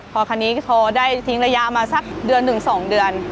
พอคันนี้พอได้ทิ้งระยะมาสักเดือนถึง๒เดือน